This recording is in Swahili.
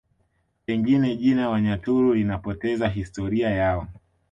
Pengine jina Wanyaturu linapoteza historia yao